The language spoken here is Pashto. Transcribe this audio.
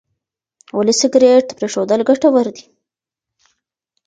ولې سګریټ پرېښودل ګټور دي؟